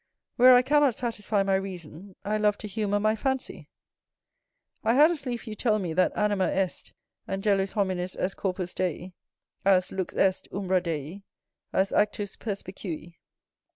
Where I cannot satisfy my reason, I love to humour my fancy: I had as lieve you tell me that anima est angelus hominis, est corpus Dei, as ἐντελέχεια; lux est umbra Dei, as actus perspicui.